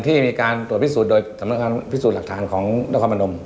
ที่มีการตรวจพิสูจน์โดยสำนักความมั่นม